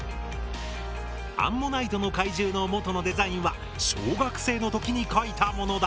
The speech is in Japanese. アンモナイトの怪獣の元のデザインは小学生の時に描いたものだ。